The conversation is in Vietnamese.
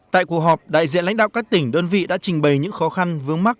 tại cuộc họp đại diện lãnh đạo các tỉnh đơn vị đã trình bày những khó khăn vướng mắt